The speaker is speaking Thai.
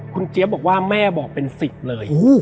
คุณเจี๊ยบบอกว่าแม่บอกเป็น๑๐เลย